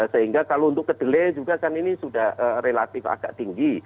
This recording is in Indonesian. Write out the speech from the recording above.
sehingga kalau untuk kedele juga kan ini sudah relatif agak tinggi